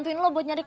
saya masih masih